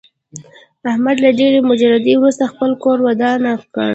احمد له ډېرې مجردۍ ورسته خپل کور ودان کړ.